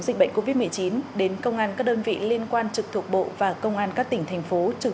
dịch bệnh covid một mươi chín đến công an các đơn vị liên quan trực thuộc bộ và công an các tỉnh thành phố trực